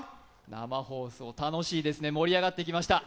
生放送、楽しいですね、盛り上がってきました。